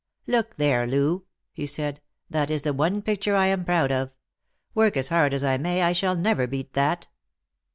" Look there, Loo," he said; "that is the one picture I am proud of. Work as hard as I may, I shall never beat that."